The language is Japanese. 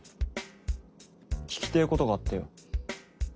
聞きてぇことがあってよ。